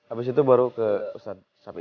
abis itu baru ke ustadz safir